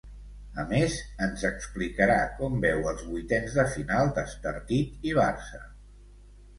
A més, ens explicarà com veu els vuitens de final d'Estartit i Barça.